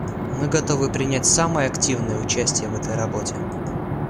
Мы готовы принять самое активное участие в этой работе.